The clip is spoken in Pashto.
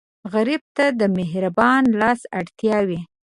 غریب ته د مهربان لاس اړتیا وي